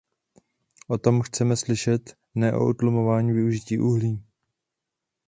O tom chceme slyšet, ne o utlumování využití uhlí.